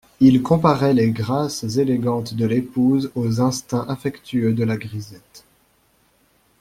Il comparait les grâces élégantes de l'épouse aux instincts affectueux de la grisette.